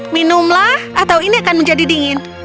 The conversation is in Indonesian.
minumlah atau ini akan menjadi dingin